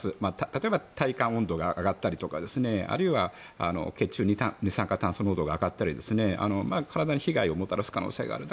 例えば、体感温度が上がったりあるいは血中の二酸化炭素濃度が上がったり体に被害をもたらす可能性がある。